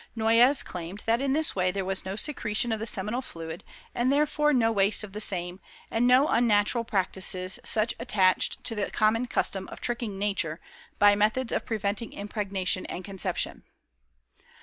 Noyes claimed that in this way there was no secretion of the seminal fluid, and therefore no waste of the same, and no unnatural practices such attached to the common custom of "tricking Nature" by methods of preventing impregnation and conception.